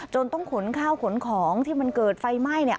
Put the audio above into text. ต้องขนข้าวขนของที่มันเกิดไฟไหม้